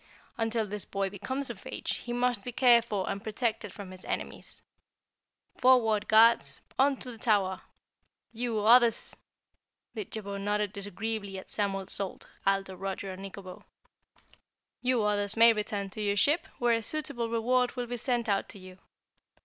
"Until this boy becomes of age he must be cared for and protected from his enemies. Forward, guards! On to the Tower! You OTHERS!" Didjabo nodded disagreeably at Samuel Salt, Ato, Roger and Nikobo, "You others may return to your ship, where a suitable reward will be sent out to you.